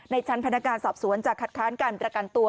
ชั้นพนักงานสอบสวนจะคัดค้านการประกันตัว